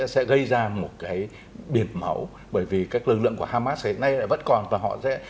sẽ gây ra một cái biệt mẫu bởi vì các lực lượng của hamas hiện nay là vẫn còn và họ sẽ